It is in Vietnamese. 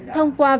thông qua viện